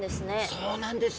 そうなんですよ。